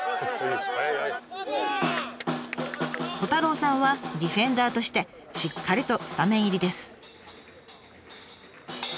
虎太郎さんはディフェンダーとしてしっかりとスタメン入りです。